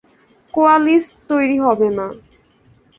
কোয়ালিস্ট তৈরি হবে না।